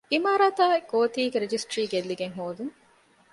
އިމާރާތާއި ގޯތީގެ ރަޖިސްޓްރީ ގެއްލިގެން ހޯދުން